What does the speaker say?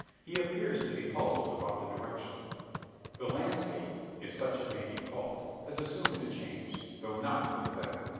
He appears to be puzzled about the direction. The landscape if such it may be called has assumed a change; though not for the better.